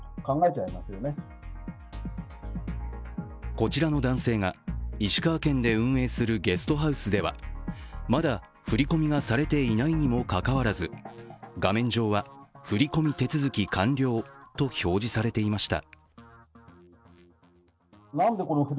こちらの男性が石川県で運営するゲストハウスではまだ振り込みがされていないにもかかわらず、画面上は振り込み手続き完了と表示されていました。